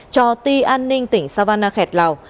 cho ti an ninh tỉnh savannah khẹt lào